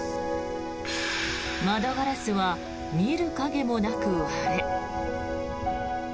窓ガラスは見る影もなく割れ。